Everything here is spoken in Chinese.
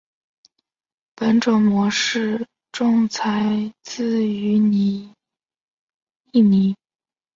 本种模式种采自于印尼。